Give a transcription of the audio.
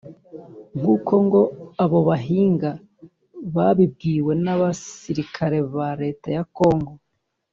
nk'uko ngo abo bahinga babibwiwe n'abasirikare ba leta ya Congo